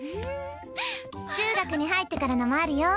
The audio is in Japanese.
中学に入ってからのもあるよ。